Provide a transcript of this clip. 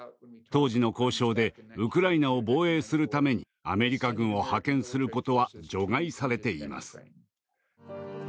当時の交渉でウクライナを防衛するためにアメリカ軍を派遣することは除外されています。